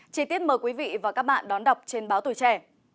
chí tiết mời quý vị và các bạn đón đọc trên báo tuổi trẻ